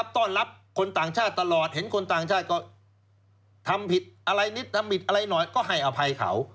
ต้อนรับคนต่างชาติตลอดเห็นคนต่างชาติก็ทำผิดอะไรนิดทำผิดอะไรหน่อยก็ให้อภัยเขา